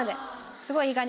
すごいいい感じ。